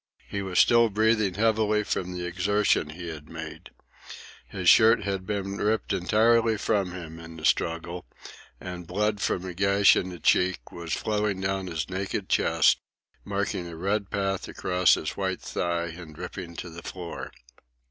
He was still breathing heavily from the exertion he had made. His shirt had been ripped entirely from him in the struggle, and blood from a gash in the cheek was flowing down his naked chest, marking a red path across his white thigh and dripping to the floor.